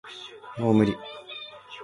もう無理